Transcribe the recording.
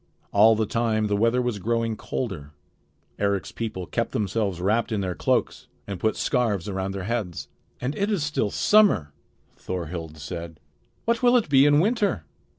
All the time the weather was growing colder. Eric's people kept themselves wrapped in their cloaks and put scarfs around their heads. "And it is still summer!" Thorhild said. "What will it be in winter?"